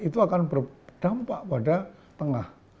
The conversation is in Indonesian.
itu akan berdampak pada tengah